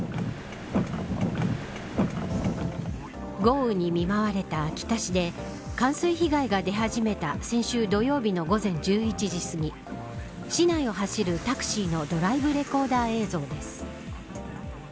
豪雨に見舞われた秋田市で冠水被害が出始めた先週土曜日の午前１１時すぎ市内を走るタクシーのドライブレコーダー映像です。